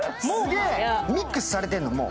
ミックスされてんの、もう？